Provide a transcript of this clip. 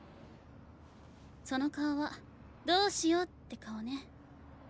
その顔は「どうしよう」って顔ね。